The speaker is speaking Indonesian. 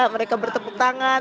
angga mereka bertepuk tangan